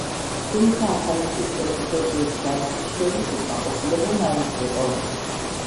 თუმცა ახალი სისტემის ზოგიერთ ნაწილს შორის უკმაყოფილება მაინც იყო.